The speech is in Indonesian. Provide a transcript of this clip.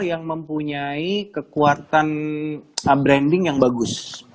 yang mempunyai kekuatan branding yang bagus